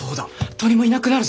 鳥もいなくなるぞ！